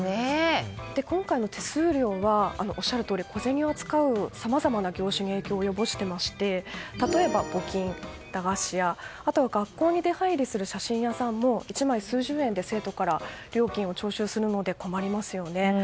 今回の手数料はおっしゃるとおり小銭を扱うさまざまな業種に影響を及ぼしていまして例えば、募金、駄菓子屋あとは学校に出入りする写真屋さんも１枚数十円で生徒から料金を徴収するので困りますよね。